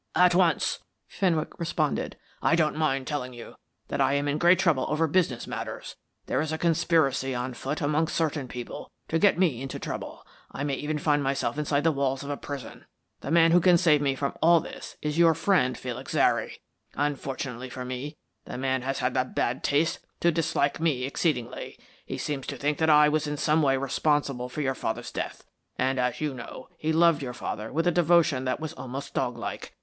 "At once," Fenwick responded. "I don't mind telling you that I am in great trouble over business matters; there is a conspiracy on foot amongst certain people to get me into trouble. I may even find myself inside the walls of a prison. The man who can save me from all this is your friend, Felix Zary. Unfortunately for me, the man has the bad taste to dislike me exceedingly. He seems to think that I was in some way responsible for your father's death. And, as you know, he loved your father with a devotion that was almost dog like.